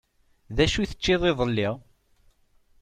D acu i teččiḍ iḍelli?